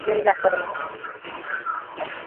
Jerry রাগ করে না।